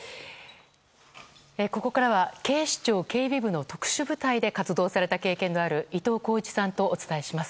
ここからは警視庁警備部の特殊部隊で活動された経験のある伊藤鋼一さんとお伝えします。